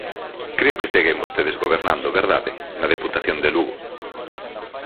Creo que seguen vostedes gobernando, ¿verdade?, na Deputación de Lugo.